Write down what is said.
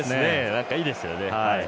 なんかいいですよね。